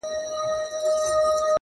د زړه صفا د وجدان رڼا ده.